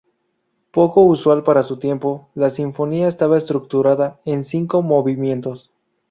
Poco usual para su tiempo, la sinfonía está estructurada en cinco movimientos.